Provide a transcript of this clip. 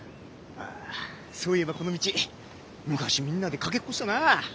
そういえばこの道昔みんなでかけっこしたな。